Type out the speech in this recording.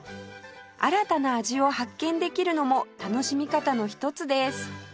新たな味を発見できるのも楽しみ方の一つです